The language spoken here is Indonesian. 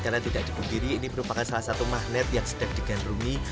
karena tidak dibungkiri ini merupakan salah satu magnet yang sedap digandungi